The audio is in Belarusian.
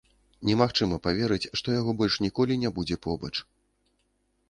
Немагчыма паверыць, што яго больш ніколі не будзе побач.